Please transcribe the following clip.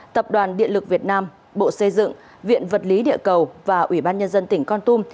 tập đoàn điện lực việt nam bộ xây dựng viện vật lý địa cầu và ủy ban nhân dân tỉnh con tum